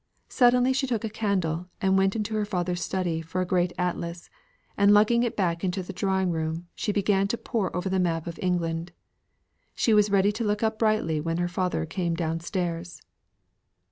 Suddenly she took a candle and went into her father's study for a great atlas, and lugging it back into the drawing room, she began to pore over the map of England. She was ready to look up brightly when her father came down stairs.